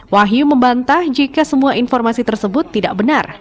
wahyu membantah jika semua informasi tersebut tidak benar